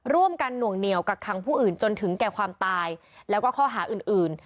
หน่วงเหนียวกักคังผู้อื่นจนถึงแก่ความตายแล้วก็ข้อหาอื่น